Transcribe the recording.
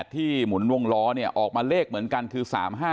หมุนวงล้อออกมาเลขเหมือนกันคือ๓๕